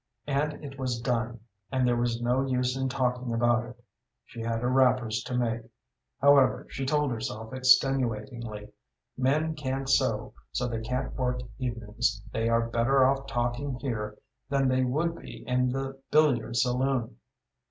And it was done, and there was no use in talking about it. She had her wrappers to make. However, she told herself, extenuatingly, "Men can't sew, so they can't work evenings. They are better off talking here than they would be in the billiard saloon."